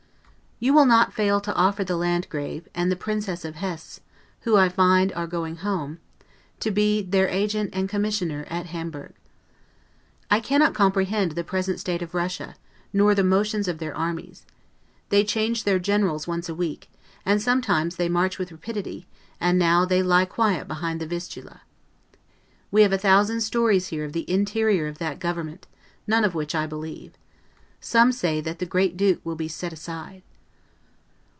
You will not fail to offer the Landgrave, and the Princess of Hesse (who I find are going home), to be their agent and commissioner at Hamburg. I cannot comprehend the present state of Russia, nor the motions of their armies. They change their generals once a week; sometimes they march with rapidity, and now they lie quiet behind the Vistula. We have a thousand stories here of the interior of that government, none of which I believe. Some say, that the Great Duke will be set aside.